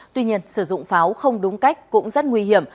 tuy nhiên sử dụng pháo không đúng cách cũng rất nguy hiểm